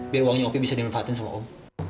biar uangnya opi bisa di manfaatin sama om